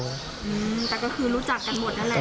แต่ก็คือรู้จักกันหมดนั่นแหละ